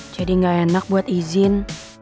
jadi nggak enak buat izin